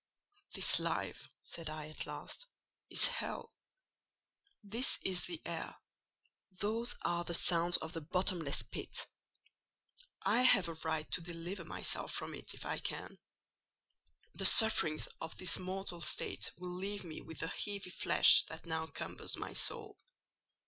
"'This life,' said I at last, 'is hell: this is the air—those are the sounds of the bottomless pit! I have a right to deliver myself from it if I can. The sufferings of this mortal state will leave me with the heavy flesh that now cumbers my soul.